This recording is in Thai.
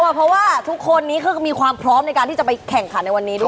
เพราะว่าทุกคนนี้คือมีความพร้อมในการที่จะไปแข่งขันในวันนี้ด้วย